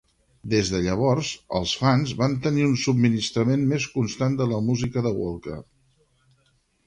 Des de llavors, els fans van tenir un subministrament més constant de la música de Walker.